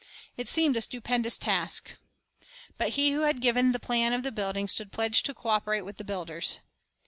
It seemed a stupendous task. But He who had given the plan of the building stood pledged to co operate with the builders.